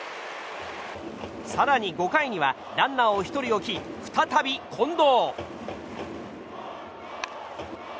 更に５回にはランナーを１人置き再び、近藤。